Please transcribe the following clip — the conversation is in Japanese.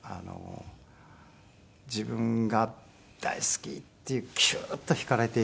自分が大好き！っていうキューッとひかれていく。